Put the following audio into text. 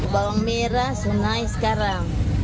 bawang merah sungai sekarang